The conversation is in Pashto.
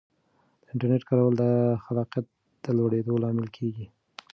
د انټرنیټ کارول د خلاقیت د لوړېدو لامل کیږي.